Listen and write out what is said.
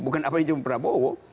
bukan apa yang dijemput oleh prabowo